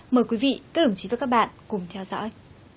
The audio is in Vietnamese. mời quý vị các đồng chí và các bạn cùng theo dõi